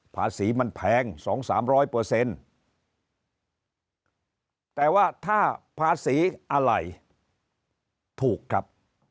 ภาษีมันแพงสองสามร้อยเปอร์เซ็นต์แต่ว่าถ้าภาษีอะไรถูกครับ